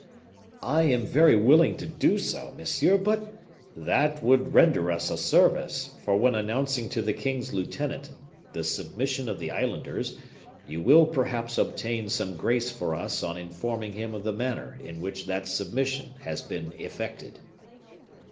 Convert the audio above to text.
"I am very willing to do so, monsieur; but " "That would render us a service, for when announcing to the king's lieutenant the submission of the islanders, you will perhaps obtain some grace for us on informing him of the manner in which that submission has been effected."